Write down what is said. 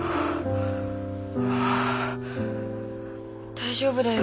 大丈夫だよ。